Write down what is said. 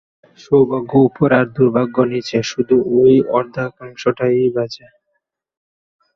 সৌভাগ্য উপরে আর দুর্ভাগ্য নিচে, শুধু ঐ অর্ধাংশটাই বাজে।